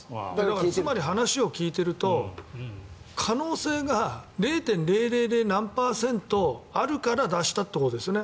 つまり話を聞いていると可能性が０．０００何パーセントあるから出したということですよね。